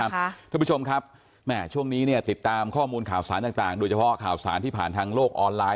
แผ่นว่าช่วงนี้ติดตามข้อมูลข่าวสารต่างโดยเฉพาะข่าวสารที่ผ่านทางโลกออนไลน์